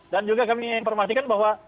dan juga kami informasikan bahwa